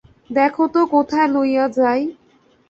দেখো তো কোথায় লইয়া যাই।